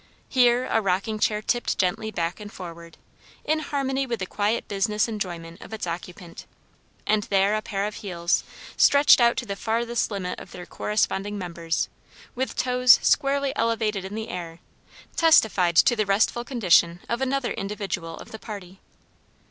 Here a rocking chair tipped gently back and forward, in harmony with the quiet business enjoyment of its occupant; and there a pair of heels, stretched out to the farthest limit of their corresponding members, with toes squarely elevated in the air, testified to the restful condition of another individual of the party.